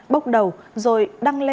bốc đầu rồi đăng lên